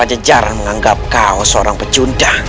iku mengalami demobakanku